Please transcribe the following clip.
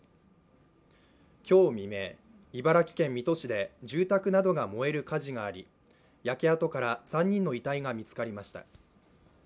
今日未明、茨城県水戸市で住宅などが燃える火事があり焼け跡から３人の遺体が見つかりました。